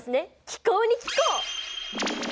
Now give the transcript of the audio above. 気候に聞こう！